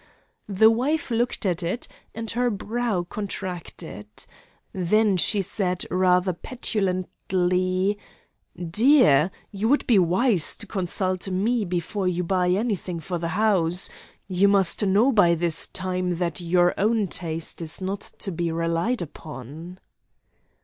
The wife looked at it, and her brow contracted. Then she said rather petulantly, 'Dear, you would be wise to consult me before you buy anything for the house; you must know by this time that your own taste is not to be relied upon.'